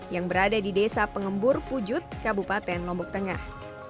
yang berada di desa pengembur pujut kabupaten lombok tengah